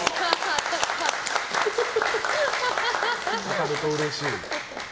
当たるとうれしい。